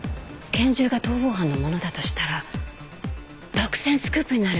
拳銃が逃亡犯のものだとしたら独占スクープになる。